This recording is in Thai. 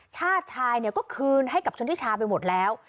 ชาติชายเนี่ยก็คืนให้กับชนทิชาไปหมดแล้ว